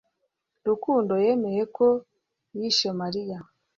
rukundo yemeye ko yishe mariya